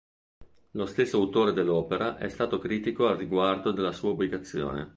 Lo stesso autore dell'opera è stato critico al riguardo della sua ubicazione.